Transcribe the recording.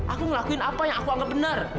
aku ngelakuin apa yang aku anggap benar